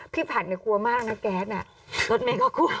พี่ผัดก็กลัวมากนะแก๊สน่ะรถเม็ดก็กลัว